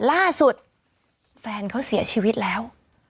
ล่าสุดแฟนเขาเสียชีวิตแล้ว